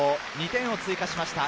２点を追加しました。